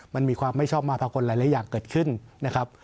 มันมีความไม่ชอบมาภากลหลายอย่างเกิดขึ้นนะครับ